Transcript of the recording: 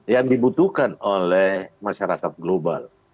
yang dibutuhkan oleh masyarakat global